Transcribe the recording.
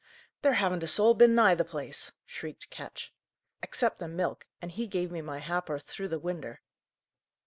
"There haven't a soul been nigh the place," shrieked Ketch. "Except the milk, and he gave me my ha'porth through the winder."